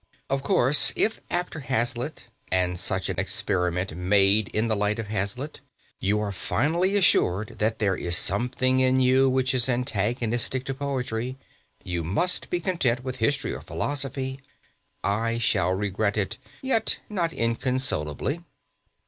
Of course, if, after Hazlitt, and such an experiment made in the light of Hazlitt, you are finally assured that there is something in you which is antagonistic to poetry, you must be content with history or philosophy. I shall regret it, yet not inconsolably.